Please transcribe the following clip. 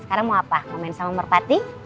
sekarang mau apa mau main sama merpati